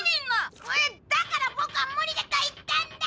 だからボクは無理だと言ったんだ！